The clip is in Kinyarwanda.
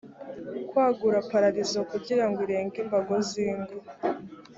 kwagura paradizo kugira ngo irenge imbago z ingo